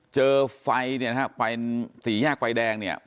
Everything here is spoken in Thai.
เจอไฟสีแยกไฟแดง